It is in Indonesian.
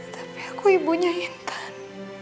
tapi aku ibunya intan